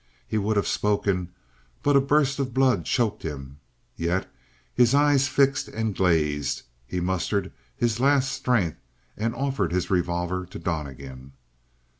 He would have spoken, but a burst of blood choked him; yet his eyes fixed and glazed, he mustered his last strength and offered his revolver to Donnegan.